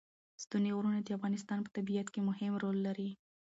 ستوني غرونه د افغانستان په طبیعت کې مهم رول لري.